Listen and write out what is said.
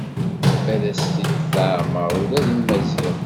Ad as-t-id-tɛemmer ula i Maziɣ.